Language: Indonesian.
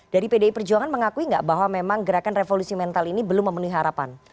dari pdi perjuangan mengakui nggak bahwa memang gerakan revolusi mental ini belum memenuhi harapan